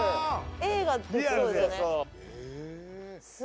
映画できそうですよね。